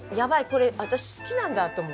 これ私好きなんだと思って。